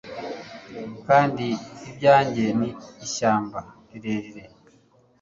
Kandi ibyanjye ni ishyamba rirerire